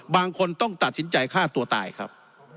บางคนต้องตัดสินใจฆ่าตัวตายครับ